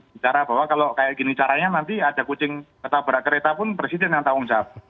bicara bahwa kalau kayak gini caranya nanti ada kucing ketabrak kereta pun presiden yang tanggung jawab